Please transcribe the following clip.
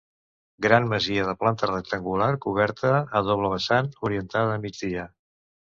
Gran masia de planta rectangular coberta a doble vessant, orientada a migdia.